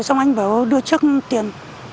xong anh bảo đưa trước tiền